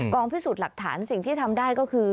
พิสูจน์หลักฐานสิ่งที่ทำได้ก็คือ